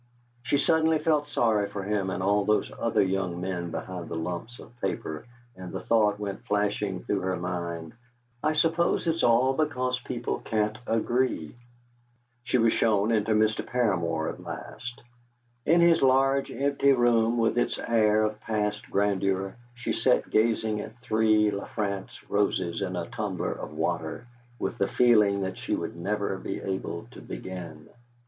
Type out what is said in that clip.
She suddenly felt sorry for him and all those other young men behind the lumps of paper, and the thought went flashing through her mind, 'I suppose it's all because people can't agree.' She was shown in to Mr. Paramor at last. In his large empty room, with its air of past grandeur, she sat gazing at three La France roses in a tumbler of water with the feeling that she would never be able to begin.